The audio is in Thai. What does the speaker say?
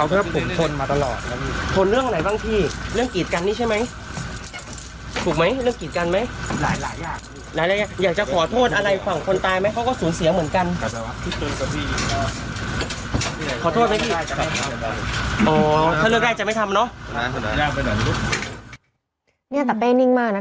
ขอโทษนะพี่อ๋อถ้าเลือกได้จะไม่ทำเนอะเนี้ยแต่เป้นิ่งมากน่ะ